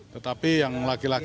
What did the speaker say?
tetapi yang laki laki